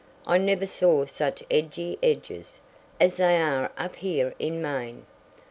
I never saw such edgy edges as they are up here in Maine.